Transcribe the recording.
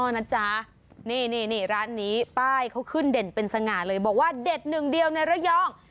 นะจ๊ะนี่ร้านนี้ป้ายเขาขึ้นเด่นเป็นสง่าเลยบอกว่าเด็ดหนึ่งเดียวในระยอง